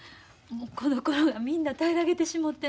この子らがみんな平らげてしもて。